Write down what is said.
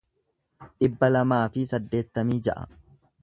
dhibba lamaa fi saddeettamii ja'a